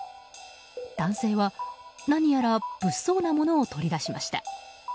男性は何やら物騒なものを取り出しました。